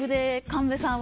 神戸さん。